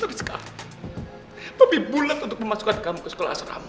tapi bulat untuk memasukkan kamu ke sekolah asrama